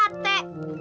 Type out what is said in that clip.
turun eh kerum stress